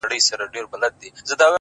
• د ازل غشي ویشتلی پر ځیګر دی,